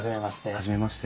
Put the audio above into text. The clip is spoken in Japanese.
初めまして。